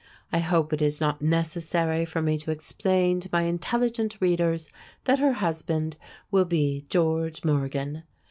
I hope it is not necessary for me to explain to my intelligent readers that her husband will be George Morgan.